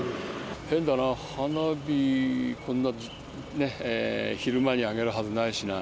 変だな、花火、こんな昼間に上げるはずないしな。